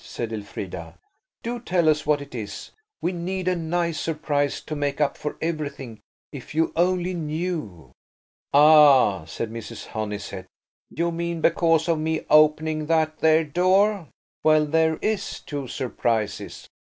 said Elfrida. "Do tell us what it is. We need a nice surprise to make up for everything, if you only knew." "Ah," said Mrs. Honeysett, "you mean because of me opening that there door. Well, there is two surprises.